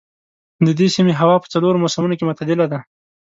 د دې سيمې هوا په څلورو موسمونو کې معتدله ده.